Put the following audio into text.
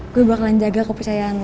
gue bakalan jaga kepercayaan